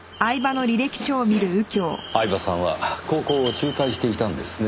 饗庭さんは高校を中退していたんですね。